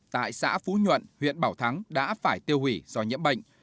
tại xã phú nhuận huyện bảo thắng đã phải tiêu hủy do nhiễm bệnh